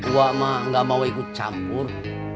wak ma gak mau ikut campur